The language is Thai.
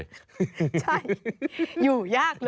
ใช่อยู่ยากเลย